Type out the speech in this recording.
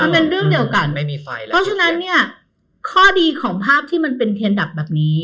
เพราะฉะนั้นข้อดีของภาพที่เป็นเพียนดับแบบนี้